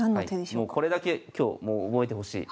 もうこれだけ今日覚えてほしい。